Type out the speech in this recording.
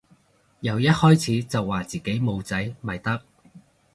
由一開始就話自己冇仔咪得